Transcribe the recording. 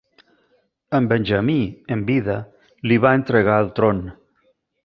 En Benjamí, en vida, li va entregar el tron.